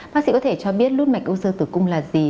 bác sĩ có thể cho biết lút mạch u sơ tử cung là gì